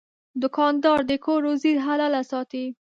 دوکاندار د کور روزي حلاله ساتي.